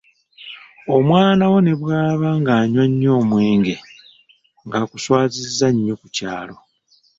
Omwana wo ne bw’aba ng’anywa nnyo omwenge, ng’akuswazizza nnyo ku kyalo.